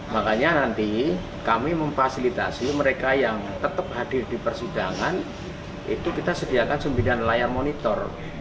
makanya nanti kami memfasilitasi mereka yang tetap hadir di persidangan itu kita sediakan sembilan layar monitor